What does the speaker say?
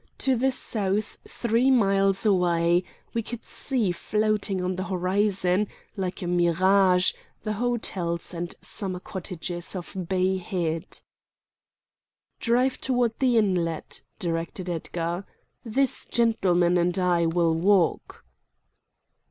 To the south three miles away we could see floating on the horizon like a mirage the hotels and summer cottages of Bay Head. "Drive toward the inlet," directed Edgar. "This gentleman and I will walk."